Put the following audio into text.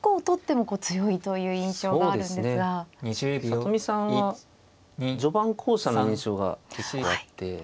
里見さんは序盤巧者の印象が結構あって。